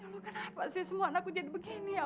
ya allah kenapa sih semua anakku jadi begini ya allah